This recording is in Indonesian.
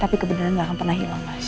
tapi kebeneran gak akan pernah hilang mas